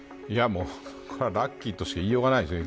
ラッキーとしか言いようがないですよね。